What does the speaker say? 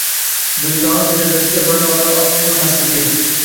do‘koni derazasiga bayroqlarni osib qo‘ymasligi